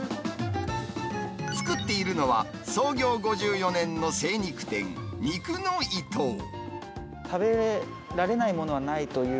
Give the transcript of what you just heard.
作っているのは、創業５４年の精肉店、肉のいとう。